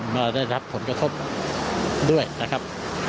ก็ได้รับผลกระทบด้วยนะครับ